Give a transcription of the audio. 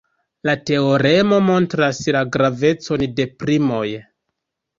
La teoremo montras la gravecon de primoj.